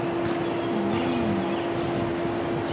ยังไม่มี